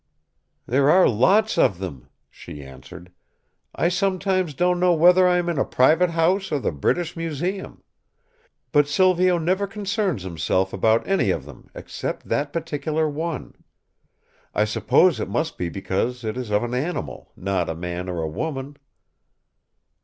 "There are lots of them," she answered. "I sometimes don't know whether I am in a private house or the British Museum. But Silvio never concerns himself about any of them except that particular one. I suppose it must be because it is of an animal, not a man or a woman."